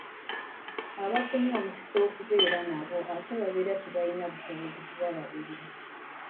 Abafunye omukisa okubeera nabo ate baba tebalina busobozi kubalabirira.